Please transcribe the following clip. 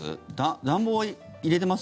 暖房は入れてます？